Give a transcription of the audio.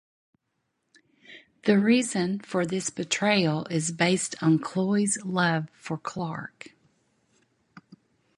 The reason for this betrayal is based on Chloe's love for Clark.